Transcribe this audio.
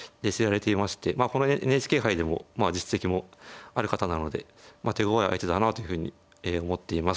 このＮＨＫ杯でも実績もある方なので手ごわい相手だなというふうに思っています。